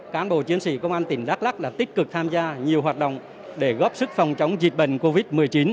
cán bộ chiến sĩ công an tỉnh đắk lắc đã tích cực tham gia nhiều hoạt động để góp sức phòng chống dịch bệnh covid một mươi chín